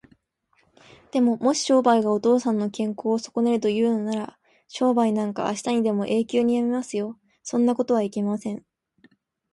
でも、もし商売がお父さんの健康をそこねるというのなら、商売なんかあしたにでも永久にやめますよ。そんなことはいけません。